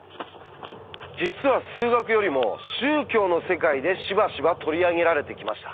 実は数学よりも宗教の世界でしばしば取り上げられてきました。